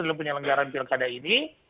dalam penyelenggaraan pilkada ini